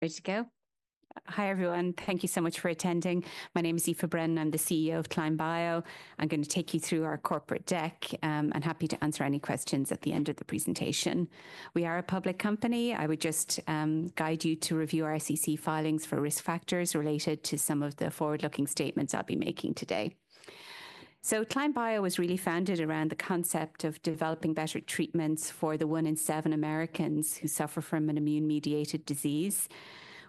There you go. Hi everyone, thank you so much for attending. My name is Aoife Brennan, I'm the CEO of Climb Bio. I'm going to take you through our corporate deck, and happy to answer any questions at the end of the presentation. We are a public company. I would just guide you to review our SEC filings for risk factors related to some of the forward-looking statements I'll be making today. Climb Bio was really founded around the concept of developing better treatments for the one in seven Americans who suffer from an immune-mediated disease.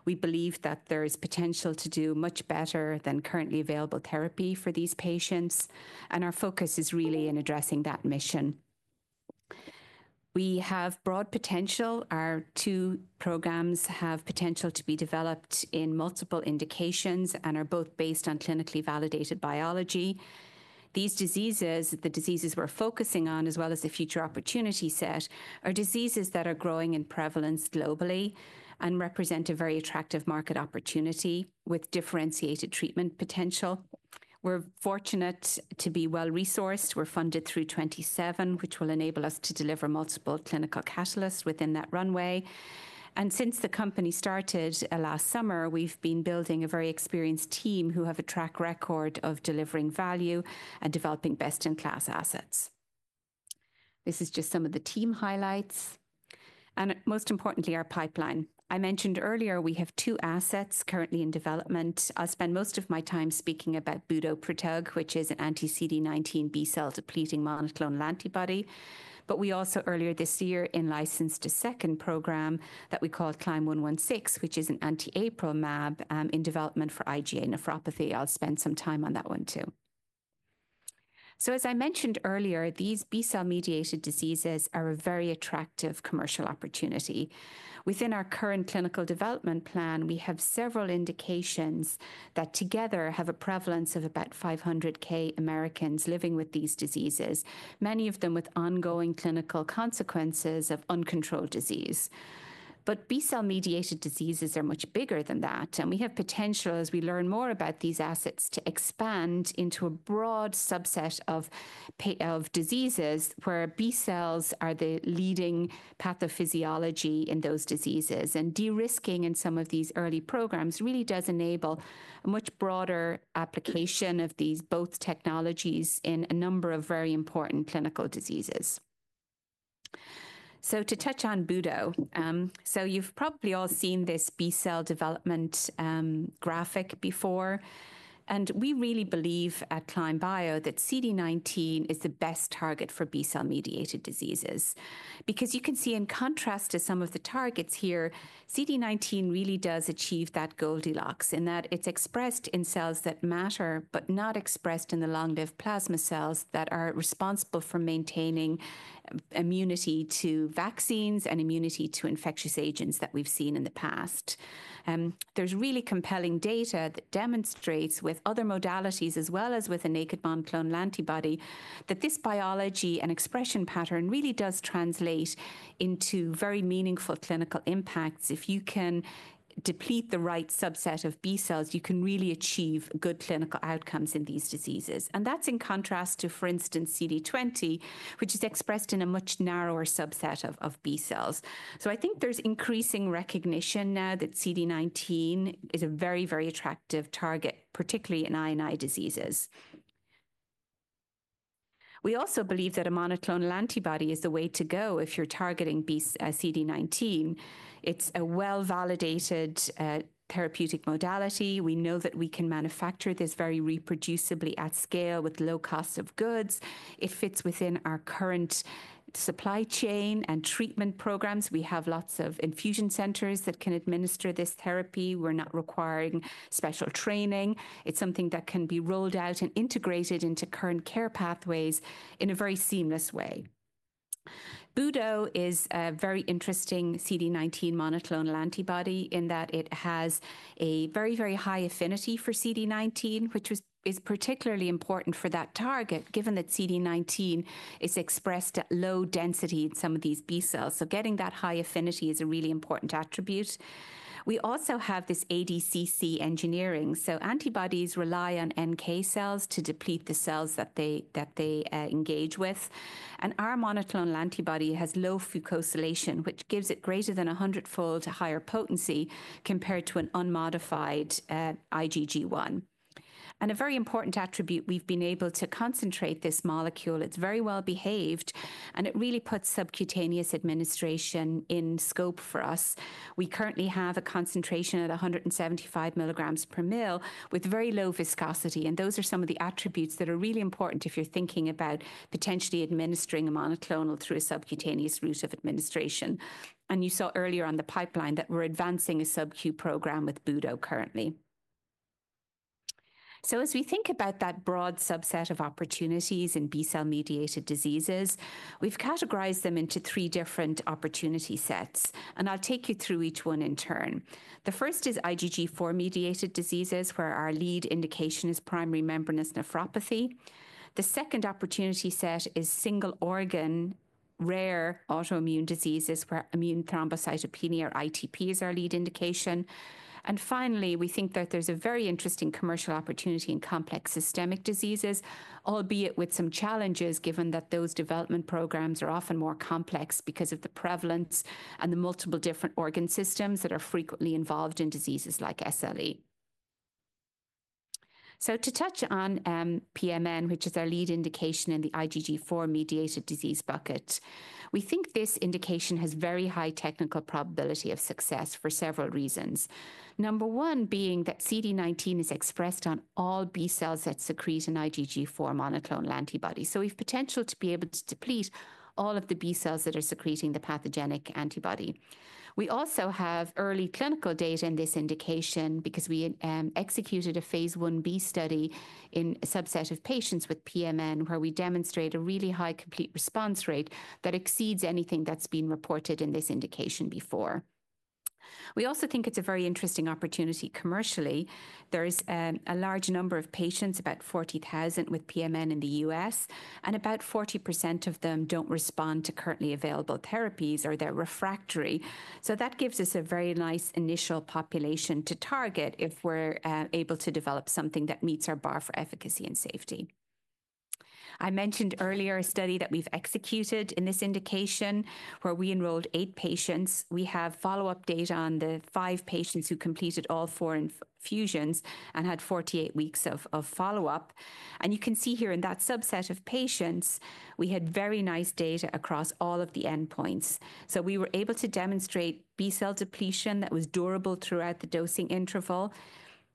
We believe that there is potential to do much better than currently available therapy for these patients, and our focus is really in addressing that mission. We have broad potential; our two programs have potential to be developed in multiple indications and are both based on clinically validated biology. These diseases, the diseases we're focusing on, as well as the future opportunity set, are diseases that are growing in prevalence globally and represent a very attractive market opportunity with differentiated treatment potential. We're fortunate to be well-resourced. We're funded through 2027, which will enable us to deliver multiple clinical catalysts within that runway. Since the company started last summer, we've been building a very experienced team who have a track record of delivering value and developing best-in-class assets. This is just some of the team highlights. Most importantly, our pipeline. I mentioned earlier we have two assets currently in development. I'll spend most of my time speaking about Budoprutug, which is an anti-CD19 B-cell depleting monoclonal antibody. We also, earlier this year, licensed a second program that we call CLYM116, which is an anti-APRIL monoclonal antibody in development for IgA nephropathy. I'll spend some time on that one too. As I mentioned earlier, these B-cell-mediated diseases are a very attractive commercial opportunity. Within our current clinical development plan, we have several indications that together have a prevalence of about 500,000 Americans living with these diseases, many of them with ongoing clinical consequences of uncontrolled disease. B-cell mediated diseases are much bigger than that, and we have potential, as we learn more about these assets, to expand into a broad subset of diseases where B-cells are the leading pathophysiology in those diseases. De-risking in some of these early programs really does enable a much broader application of these both technologies in a number of very important clinical diseases. To touch on Budo, you've probably all seen this B-cell development graphic before, and we really believe at Climb Bio that CD19 is the best target for B-cell-mediated diseases. Because you can see, in contrast to some of the targets here, CD19 really does achieve that Goldilocks in that it's expressed in cells that matter but not expressed in the long-lived plasma cells that are responsible for maintaining immunity to vaccines and immunity to infectious agents that we've seen in the past. There's really compelling data that demonstrates, with other modalities as well as with a naked monoclonal antibody, that this biology and expression pattern really does translate into very meaningful clinical impacts. If you can deplete the right subset of B-cells, you can really achieve good clinical outcomes in these diseases. That is in contrast to, for instance, CD20, which is expressed in a much narrower subset of B-cells. I think there's increasing recognition now that CD19 is a very, very attractive target, particularly in I&I diseases. We also believe that a monoclonal antibody is the way to go if you're targeting CD19. It's a well-validated therapeutic modality. We know that we can manufacture this very reproducibly at scale with low cost of goods. It fits within our current supply chain and treatment programs. We have lots of infusion centers that can administer this therapy. We're not requiring special training. It's something that can be rolled out and integrated into current care pathways in a very seamless way. Budo is a very interesting CD19 monoclonal antibody in that it has a very, very high affinity for CD19, which is particularly important for that target, given that CD19 is expressed at low density in some of these B-cells. Getting that high affinity is a really important attribute. We also have this ADCC engineering. Antibodies rely on NK cells to deplete the cells that they engage with. Our monoclonal antibody has low-fucosylation, which gives it greater than a hundred-fold higher potency compared to an unmodified IgG1. A very important attribute: we've been able to concentrate this molecule. It's very well behaved, and it really puts subcutaneous administration in scope for us. We currently have a concentration at 175 mg per ml with very low viscosity. Those are some of the attributes that are really important if you're thinking about potentially administering a monoclonal through a subcutaneous route of administration. You saw earlier on the pipeline that we're advancing a sub-Q program with Budo currently. As we think about that broad subset of opportunities in B-cell-mediated diseases, we've categorized them into three different opportunity sets, and I'll take you through each one in turn. The first is IgG4-mediated diseases, where our lead indication is primary membranous nephropathy. The second opportunity set is single-organ rare autoimmune diseases, where immune thrombocytopenia, or ITP, is our lead indication. Finally, we think that there's a very interesting commercial opportunity in complex systemic diseases, albeit with some challenges, given that those development programs are often more complex because of the prevalence and the multiple different organ systems that are frequently involved in diseases like SLE. To touch on PMN, which is our lead indication in the IgG4-mediated disease bucket, we think this indication has very high technical probability of success for several reasons. Number one being that CD19 is expressed on all B-cells that secrete an IgG4 monoclonal antibody. We have potential to be able to deplete all of the B-cells that are secreting the pathogenic antibody. We also have early clinical data in this indication because we executed a Phase 1b study in a subset of patients with PMN, where we demonstrated a really high complete response rate that exceeds anything that's been reported in this indication before. We also think it's a very interesting opportunity commercially. There is a large number of patients, about 40,000 with PMN in the U.S., and about 40% of them don't respond to currently available therapies, or they're refractory. That gives us a very nice initial population to target if we're able to develop something that meets our bar for efficacy and safety. I mentioned earlier a study that we've executed in this indication, where we enrolled eight patients. We have follow-up data on the five patients who completed all four infusions and had 48 weeks of follow-up. You can see here in that subset of patients, we had very nice data across all of the endpoints. We were able to demonstrate B-cell depletion that was durable throughout the dosing interval.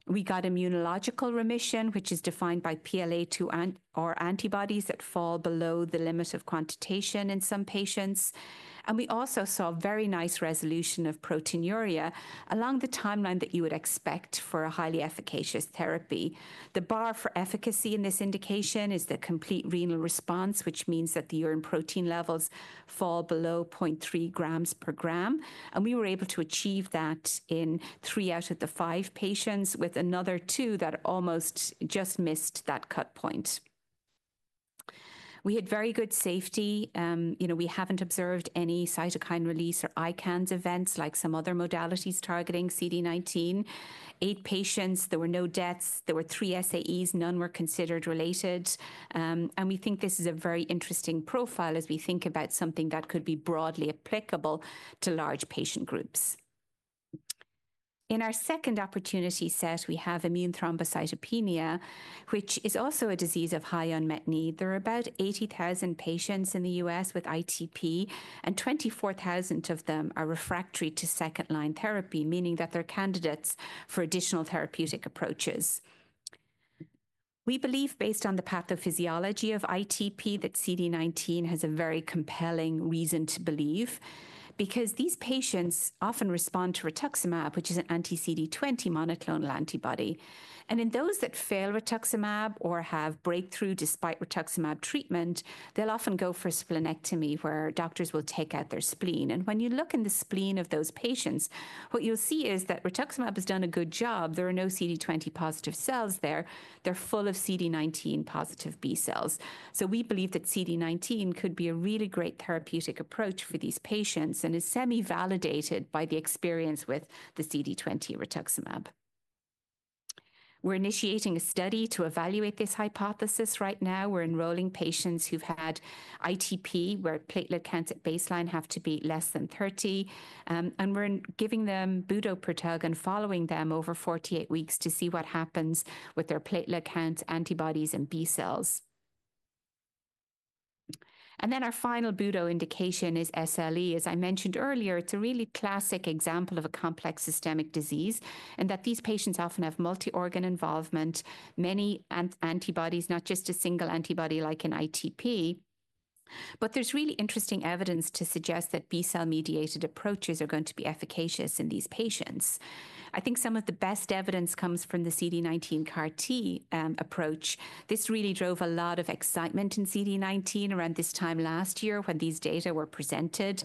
We got immunological remission, which is defined by PLA2R antibodies that fall below the limit of quantitation in some patients. We also saw very nice resolution of proteinuria along the timeline that you would expect for a highly efficacious therapy. The bar for efficacy in this indication is the complete renal response, which means that the urine protein levels fall below 0.3 g/g. We were able to achieve that in three out of the five patients, with another two that almost just missed that cut point. We had very good safety. You know, we haven't observed any cytokine release or ICANS events like some other modalities targeting CD19. Eight patients, there were no deaths, there were three SAEs, none were considered related. We think this is a very interesting profile as we think about something that could be broadly applicable to large patient groups. In our second opportunity set, we have immune thrombocytopenia, which is also a disease of high unmet need. There are about 80,000 patients in the U.S. with ITP, and 24,000 of them are refractory to second-line therapy, meaning that they're candidates for additional therapeutic approaches. We believe, based on the pathophysiology of ITP, that CD19 has a very compelling reason to believe, because these patients often respond to rituximab, which is an anti-CD20 monoclonal antibody. In those that fail rituximab or have breakthrough despite rituximab treatment, they'll often go for a splenectomy, where doctors will take out their spleen. When you look in the spleen of those patients, what you'll see is that rituximab has done a good job. There are no CD20 positive cells there. They're full of CD19 positive B-cells. We believe that CD19 could be a really great therapeutic approach for these patients and is semi-validated by the experience with the CD20 rituximab. We're initiating a study to evaluate this hypothesis right now. We're enrolling patients who've had ITP, where platelet counts at baseline have to be less than 30, and we're giving them budoprutug and following them over 48 weeks to see what happens with their platelet count, antibodies, and B-cells. Our final budoprutug indication is SLE. As I mentioned earlier, it's a really classic example of a complex systemic disease in that these patients often have multi-organ involvement, many antibodies, not just a single antibody like in ITP. There is really interesting evidence to suggest that B-cell-mediated approaches are going to be efficacious in these patients. I think some of the best evidence comes from the CD19 CAR-T approach. This really drove a lot of excitement in CD19 around this time last year when these data were presented.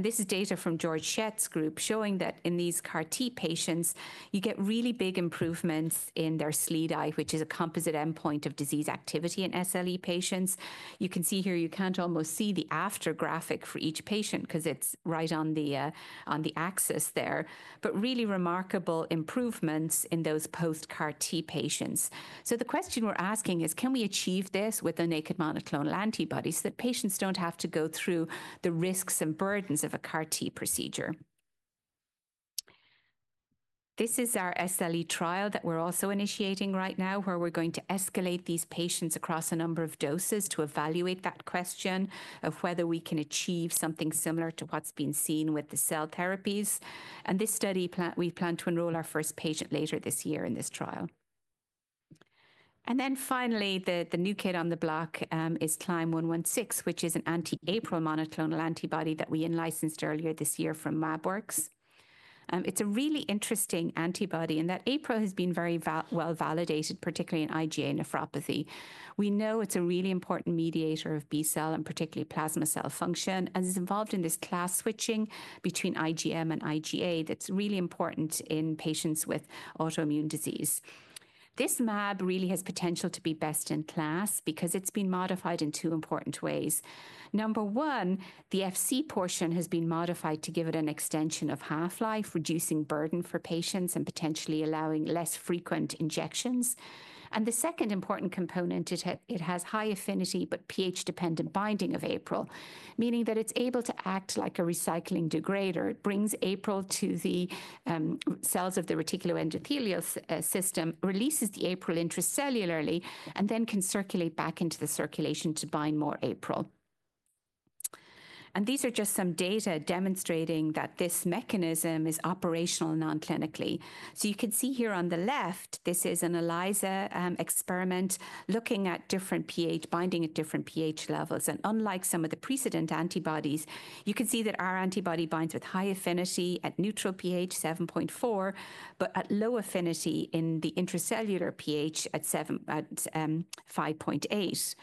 This is data from Georg Schett's group showing that in these CAR-T patients, you get really big improvements in their SLEDAI, which is a composite endpoint of disease activity in SLE patients. You can see here, you can't almost see the after graphic for each patient because it's right on the axis there, but really remarkable improvements in those post-CAR-T patients. The question we're asking is, can we achieve this with a naked monoclonal antibody so that patients don't have to go through the risks and burdens of a CAR-T procedure? This is our SLE trial that we're also initiating right now, where we're going to escalate these patients across a number of doses to evaluate that question of whether we can achieve something similar to what's been seen with the cell therapies. This study, we plan to enroll our first patient later this year in this trial. Finally, the new kid on the block is CLYM116, which is an anti-APRIL monoclonal antibody that we licensed earlier this year from Mabworks. It's a really interesting antibody in that APRIL has been very well validated, particularly in IgA nephropathy. We know it's a really important mediator of B-cell and particularly plasma cell function, and it's involved in this class switching between IgM and IgA that's really important in patients with autoimmune disease. This mAb really has potential to be best in class because it's been modified in two important ways. Number one, the Fc portion has been modified to give it an extension of half-life, reducing burden for patients and potentially allowing less frequent injections. The second important component, it has high affinity but pH-dependent binding of APRIL, meaning that it's able to act like a recycling degrader. It brings APRIL to the cells of the reticuloendothelial system, releases the APRIL intracellularly, and then can circulate back into the circulation to bind more APRIL. These are just some data demonstrating that this mechanism is operational non-clinically. You can see here on the left, this is an ELISA experiment looking at different pH, binding at different pH levels. Unlike some of the precedent antibodies, you can see that our antibody binds with high affinity at neutral pH 7.4, but at low affinity in the intracellular pH at 5.8.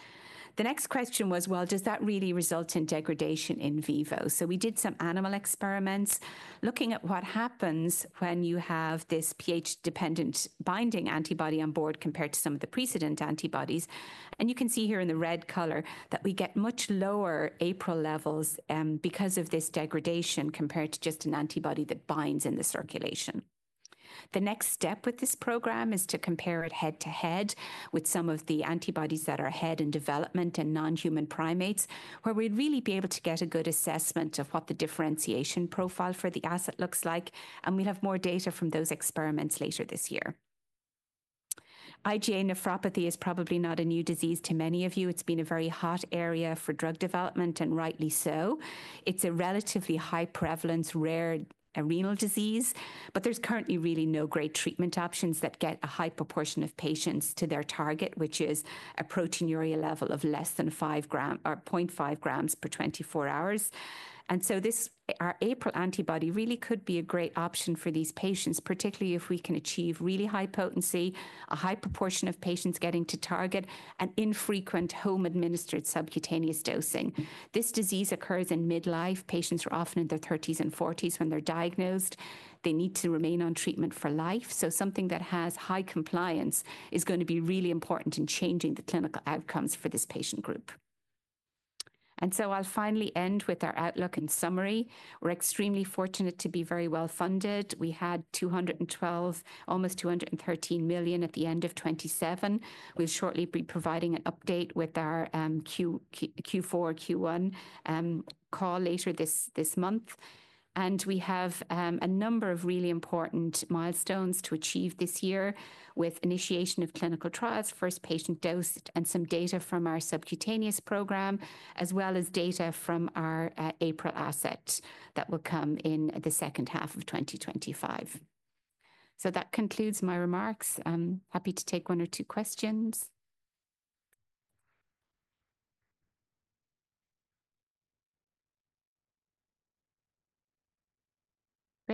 The next question was, does that really result in degradation in vivo? We did some animal experiments looking at what happens when you have this pH-dependent binding antibody on board compared to some of the precedent antibodies. You can see here in the red color that we get much lower APRIL levels because of this degradation compared to just an antibody that binds in the circulation. The next step with this program is to compare it head-to-head with some of the antibodies that are ahead in development in non-human primates, where we'd really be able to get a good assessment of what the differentiation profile for the asset looks like. We will have more data from those experiments later this year. IgA nephropathy is probably not a new disease to many of you. It's been a very hot area for drug development, and rightly so. It's a relatively high prevalence, rare renal disease, but there's currently really no great treatment options that get a high proportion of patients to their target, which is a proteinuria level of less than 5 g or 0.5 g per 24 hours. This APRIL antibody really could be a great option for these patients, particularly if we can achieve really high potency, a high proportion of patients getting to target, and infrequent home-administered subcutaneous dosing. This disease occurs in midlife. Patients are often in their 30s and 40s when they're diagnosed. They need to remain on treatment for life. Something that has high compliance is going to be really important in changing the clinical outcomes for this patient group. I'll finally end with our outlook and summary. We're extremely fortunate to be very well funded. We had $212 million, almost $213 million, at the end of 2027. We'll shortly be providing an update with our Q4, Q1 call later this month. We have a number of really important milestones to achieve this year with initiation of clinical trials, first patient dose, and some data from our subcutaneous program, as well as data from our APRIL asset that will come in the second half of 2025. That concludes my remarks. I'm happy to take one or two questions.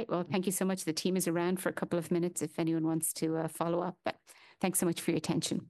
Great. Thank you so much. The team is around for a couple of minutes if anyone wants to follow up, but thanks so much for your attention.